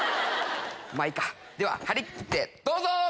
まぁいいかでは張り切ってどうぞ！